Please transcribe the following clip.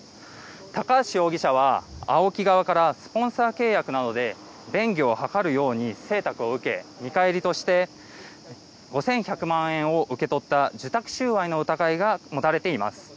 高橋容疑者はＡＯＫＩ側からスポンサー契約などで便宜を図るように請託を受け見返りとして５１００万円を受け取った受託収賄の疑いが持たれています。